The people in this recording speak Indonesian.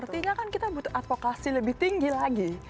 ketiga kan kita butuh advokasi lebih tinggi lagi